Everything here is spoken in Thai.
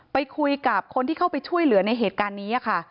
ไปคุยกับคนที่เข้าไปช่วยเหลือในเหตุการณ์นี้ค่ะ